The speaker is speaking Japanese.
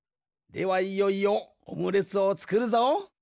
ではいよいよオムレツをつくるぞ。